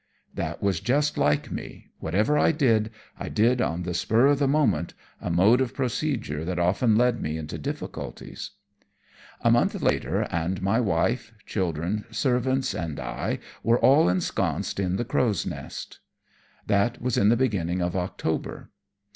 That was just like me. Whatever I did, I did on the spur of the moment, a mode of procedure that often led me into difficulties. A month later and my wife, children, servants, and I were all ensconced in the Crow's Nest. That was in the beginning of October.